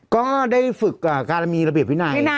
ก็ได้ฝึกการมีระเบียบวินัย